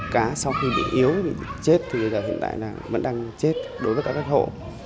cá sau khi bị yếu thì chết thì hiện tại vẫn đang chết đối với các hộ